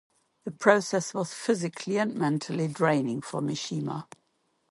The process was physically and mentally draining for Mishima.